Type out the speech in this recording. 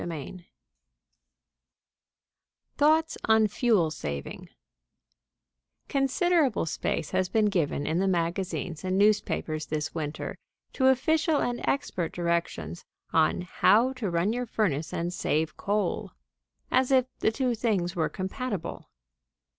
VII THOUGHTS ON FUEL SAVING Considerable space has been given in the magazines and newspapers this winter to official and expert directions on How to Run Your Furnace and Save Coal as if the two things were compatible.